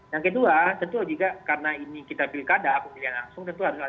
yang kedua tentu juga karena ini kita pilkada pemilihan langsung tentu harus dilakukan